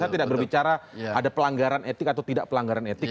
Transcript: saya tidak berbicara ada pelanggaran etik atau tidak pelanggaran etik